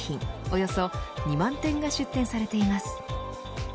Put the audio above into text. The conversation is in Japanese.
およそ２万店が出展されています。